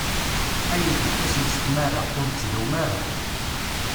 Ayen d-ittasen s tmara, ur ittdum ara.